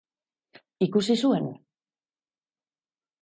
Ikusi zuen.